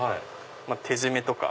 手締めとか。